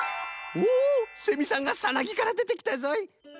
おセミさんがサナギからでてきたぞい。